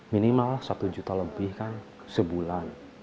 minimal satu juta lebih kan sebulan